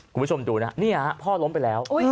คุณผู้ชมดูนะพ่อล้มไปแล้ว